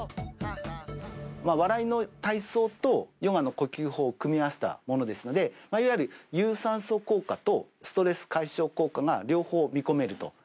笑いの体操とヨガの呼吸法を組み合わせたものですので、いわゆる有酸素効果とストレス解消効果が両方見込めると。